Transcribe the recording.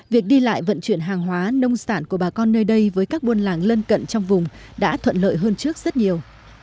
việc đi lại vận chuyển hàng hóa nông sản của bà con nơi đây với các buôn làng lân cận trong vùng đã thuận lợi hơn trước rất nhiều